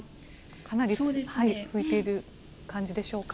かなり吹いている感じでしょうか。